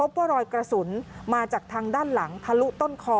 ว่ารอยกระสุนมาจากทางด้านหลังทะลุต้นคอ